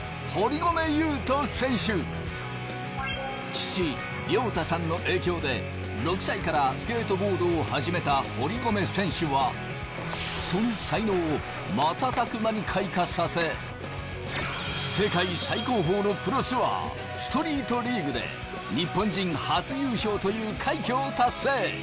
父亮太さんの影響で６歳からスケートボードを始めた堀米選手はその才能を瞬く間に開花させ世界最高峰のプロツアーＳＴＲＥＥＴＬＥＡＧＵＥで日本人初優勝という快挙を達成。